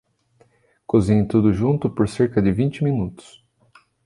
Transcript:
Cozinhe tudo junto por cerca de vinte minutos.